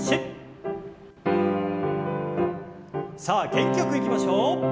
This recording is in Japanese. さあ元気よくいきましょう。